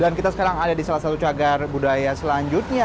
dan kita sekarang ada di salah satu cagar budaya selanjutnya